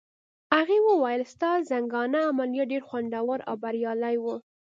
هغې وویل: ستا د زنګانه عملیات ډېر خوندور او بریالي وو.